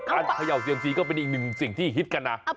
เขย่าเซียมซีก็เป็นอีกหนึ่งสิ่งที่ฮิตกันนะ